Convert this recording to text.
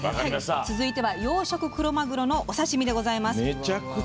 続いては「養殖クロマグロのお刺身」です。